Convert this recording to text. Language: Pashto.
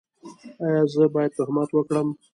ایا زه باید تهمت وکړم؟